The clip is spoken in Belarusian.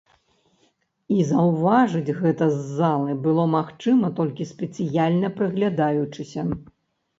І заўважыць гэта з залы было магчыма толькі спецыяльна прыглядаючыся.